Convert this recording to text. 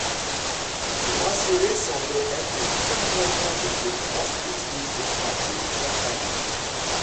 Ces bracelets semblaient être le seul moyen de défense utilisé par les Ataniks.